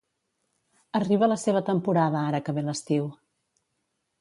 Arriba la seva temporada ara que ve l'estiu.